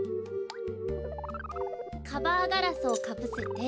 カバーガラスをかぶせて。